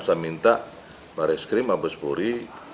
saya minta pak reskrim pak berspuri